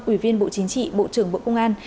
ủy viên bộ chính trị bộ trưởng bộ công an